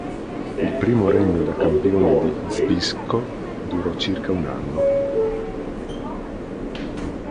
Il primo regno da campione di Zbyszko durò circa un anno.